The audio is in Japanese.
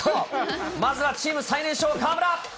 まずはチーム最年少、河村。